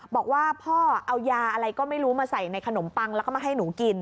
บอกว่าพ่อเอายาอะไรก็ไม่รู้มาใส่ในขนมปังแล้วก็มาให้หนูกิน